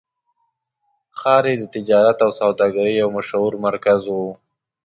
ښار یې د تجارت او سوداګرۍ یو مشهور مرکز و.